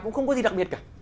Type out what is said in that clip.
cũng không có gì đặc biệt cả